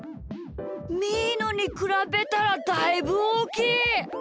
みーのにくらべたらだいぶおおきい！